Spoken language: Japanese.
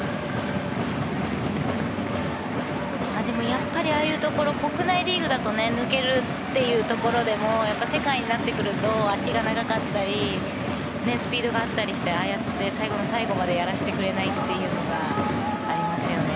やっぱり、ああいうところ国内リーグだと抜けるというところでも世界になってくると足が長かったりスピードがあったりして最後の最後までやらせてくれないというのがありますよね。